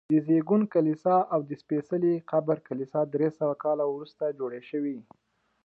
د زېږون کلیسا او د سپېڅلي قبر کلیسا درې سوه کاله وروسته جوړې شوي.